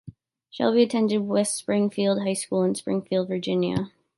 Shelby attended West Springfield High School, in Springfield, Virginia.